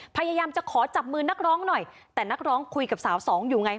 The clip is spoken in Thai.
พยายามจะขอจับมือนักร้องหน่อยแต่นักร้องคุยกับสาวสองอยู่ไง